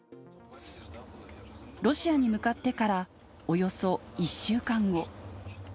ロシアに向かってからおよそ１週間後。